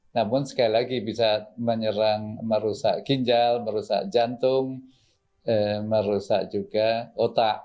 namun sekali lagi bisa menyerang merusak ginjal merusak jantung merusak juga otak